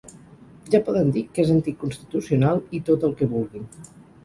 Ja poden dir que és anticonstitucional i tot el que vulguin.